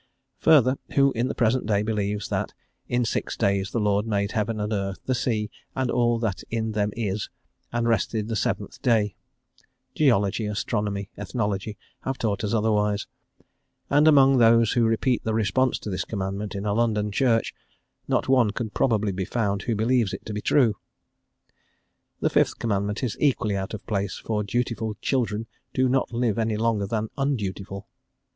Further, who in the present day believes that "in six days the Lord made heaven and earth, the sea, and all that in them is, and rested the seventh day;" geology, astronomy ethnology have taught us otherwise, and, among those who repeat the response to this commandment in a London church, not one could probably be found who believes it to be true. The fifth Commandment is equally out of place, for dutiful children do not live any longer than undutiful.